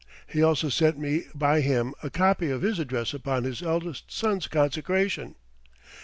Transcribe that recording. He also sent me by him a copy of his address upon his eldest son's consecration.